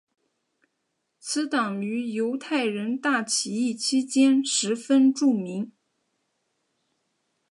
此党于犹太人大起义期间十分著名。